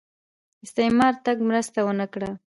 استعمار تګ مرسته ونه کړه